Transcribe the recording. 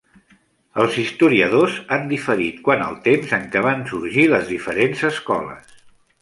Els historiadors han diferit quant als temps en què van sorgir les diferents escoles.